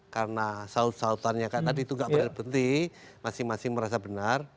karena saud saudar yang tadi itu enggak berhenti masing masing merasa benar